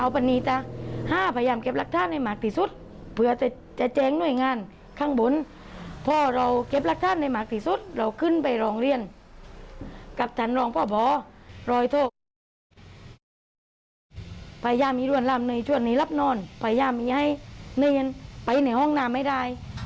พระยามร่วงร่ำหน้าจุดในรับนอนพระยามให้นาเงินไปในห้องน้ำให้ได้